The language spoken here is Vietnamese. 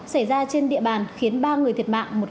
xảy ra trên địa bàn khiến ba người thiệt mạng